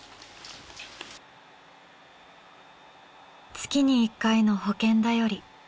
月に１回の保健だより。